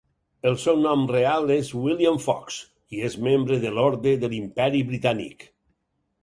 El seu nom real és William Fox i és membre de l'Orde de l'Imperi Britànic.